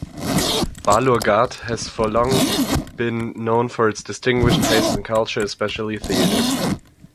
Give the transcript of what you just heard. Balurghat has for long been known for its distinguished taste in culture, especially theatre.